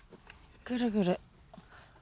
ぐるぐる。